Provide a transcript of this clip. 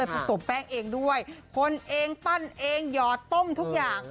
ผสมแป้งเองด้วยคนเองปั้นเองหยอดต้มทุกอย่าง